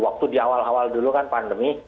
waktu di awal awal dulu kan pandemi